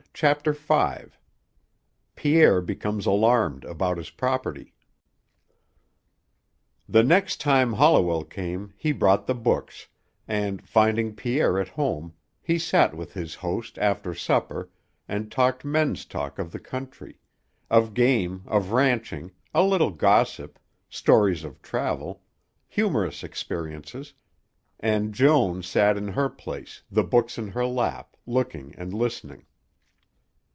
CHAPTER V PIERRE BECOMES ALARMED ABOUT HIS PROPERTY The next time Holliwell came, he brought the books, and, finding Pierre at home, he sat with his host after supper and talked men's talk of the country; of game, of ranching, a little gossip, stories of travel, humorous experiences, and Joan sat in her place, the books in her lap, looking and listening.